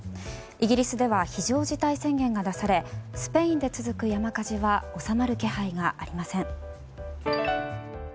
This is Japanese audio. イギリスでは非常事態宣言が出されスペインで続く山火事は収まる気配がありません。